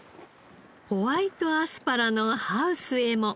ホワイトアスパラのハウスへも。